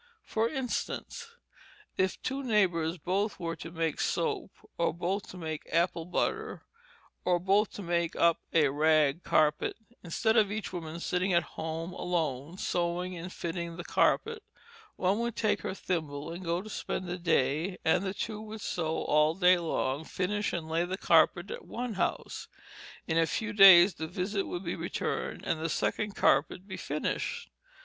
For instance, if two neighbors both were to make soap, or both to make apple butter, or both to make up a rag carpet, instead of each woman sitting at home alone sewing and fitting the carpet, one would take her thimble and go to spend the day, and the two would sew all day long, finish and lay the carpet at one house. In a few days the visit would be returned, and the second carpet be finished.